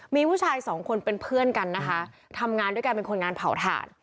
มีผู้ชายสองคนเป็นเพื่อนกันนะคะทำงานด้วยกันเป็นคนงานเผาถ่าน